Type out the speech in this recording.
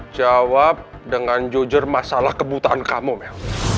jawab dengan jujur masalah kebutaan kamu mel